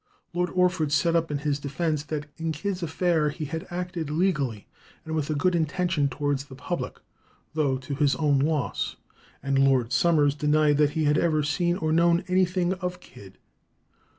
Lord Orford set up in his defence that in Kidd's affair he had acted legally, and with a good intention towards the public, though to his own loss; and Lord Somers denied that he had ever seen or known anything of Kidd.